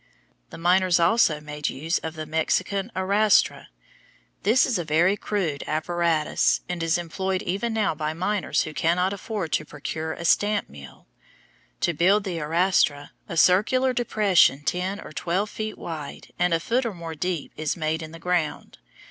The miners also made use of the Mexican arastra. This is a very crude apparatus, and is employed even now by miners who cannot afford to procure a stamp mill. To build an arastra, a circular depression ten or twelve feet wide and a foot or more deep is made in the ground.